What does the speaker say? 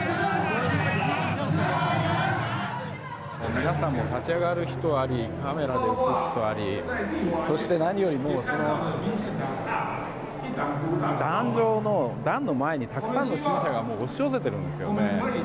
皆さん、立ち上がる人ありカメラで映す人ありそして何よりも壇上の壇の前にたくさんの支持者が押し寄せているんですよね。